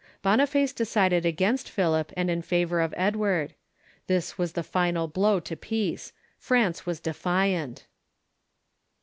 Boniface decided against Philip, and in favor of Edward. This was the final blow to peace. France Avas defiant.